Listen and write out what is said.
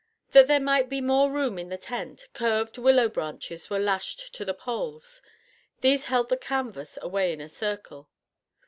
That there might be more room in the tent, curved willow branches were lashed to the poles. These held the canvas away in a circle.